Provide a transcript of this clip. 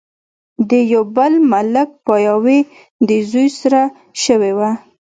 د يو بل ملک پاياوي د زوي سره شوې وه